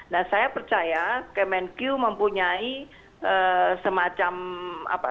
nah saya percaya kemenkyu mempunyai semacam apa